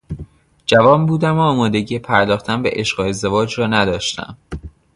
جوان بودم و آمادگی پرداختن به عشق و ازدواج را نداشتم.